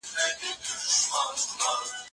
د سياستپوهني بنسټيزه سکالو وپېژنئ.